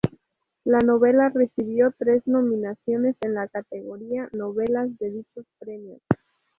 La novela recibió tres nominaciones en la categoría Novelas de dichos premios.